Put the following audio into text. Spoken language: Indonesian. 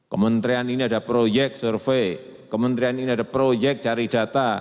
kementerian ini ada proyek survei kementerian ini ada proyek cari data